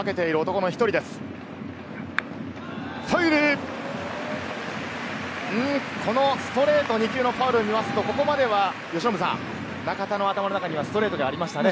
このストレート２球のファウルを見ますと、ここまでは由伸さん、中田の頭の中にはストレートがありましたね。